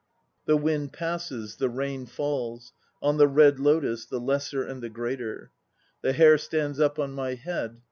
The wind passes; the rain falls On the Red Lotus, the Lesser and the Greater. 1 The hair stands up on my head.